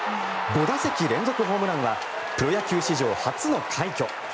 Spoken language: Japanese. ５打席連続ホームランはプロ野球史上初の快挙。